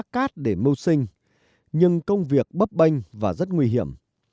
các vợ chồng chị có thể đi khai thác để mâu sinh nhưng công việc bấp banh và rất nguy hiểm